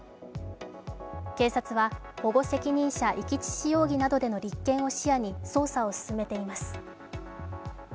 警察は保護責任者遺棄致死容疑などでの立件を視野に捜査を進めています。